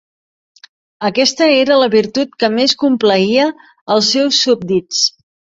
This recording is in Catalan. Aquesta era la virtut que més complaïa els seus súbdits.